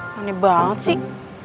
mane banget sih